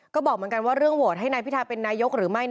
ก็บอกเหมือนกันว่าเรื่องโหวตให้นายพิทาเป็นนายกหรือไม่